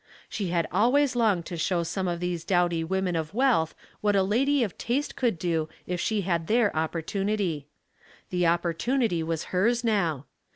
She had always longed to show some of these dowdy women of wealth what a lady of taste could do if she had their op portunity. The opportunity was hers now.